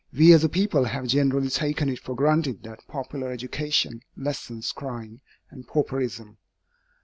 We as a people have generally taken it for granted that popular education lessens crime and pauperism.